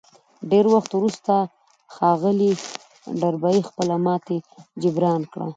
ډېر وخت وروسته ښاغلي ډاربي خپله ماتې جبران کړه.